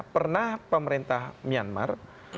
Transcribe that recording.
pernah pemerintah myanmar